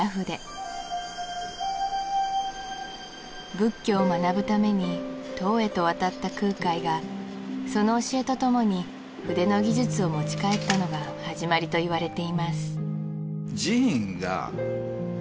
仏教を学ぶために唐へと渡った空海がその教えとともに筆の技術を持ち帰ったのが始まりといわれています